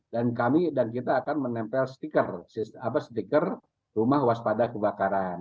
dan kami dan kita akan menempel stiker apa stiker rumah waspada kebakaran